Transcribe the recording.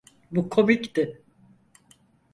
Bu komikti.